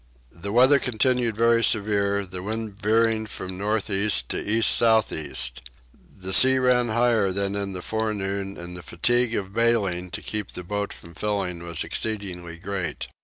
The weather continued very severe, the wind veering from north east to east south east. The sea ran higher than in the forenoon, and the fatigue of baling to keep the boat from filling was exceedingly great.